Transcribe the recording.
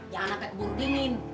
jangan sampe keburu dingin